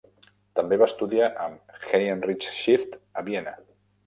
També va estudiat amb Heinrich Schiff a Vienna.